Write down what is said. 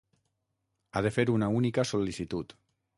Ha de fer una única sol·licitud.